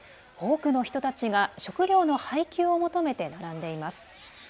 多くの人たちが食糧の配給を求めて並んでいます。